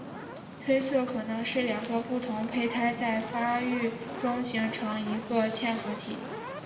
推测可能是两个不同胚胎在发育中形成一个嵌合体。